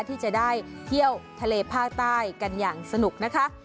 ที่จะได้เที่ยวทะเลภาคใต้กันอย่างสนุกนะคะ